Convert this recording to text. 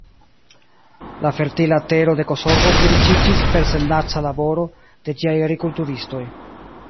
La fertila tero de Kosovo pliriĉiĝis per senlaca laboro de ĝiaj agrikulturistoj.